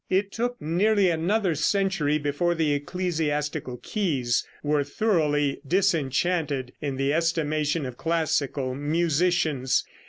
It took nearly another century before the ecclesiastical keys were thoroughly disenchanted in the estimation of classical musicians.